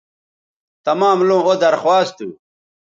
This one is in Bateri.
تمام لوں او درخواست تھو